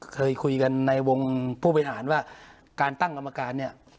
เคยคุยกันในวงผู้บริหารว่าการตั้งกรรมการเนี่ย